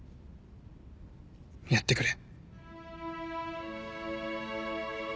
やってくれ